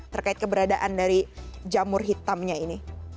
terkait keberadaan dari jamur hitamnya ini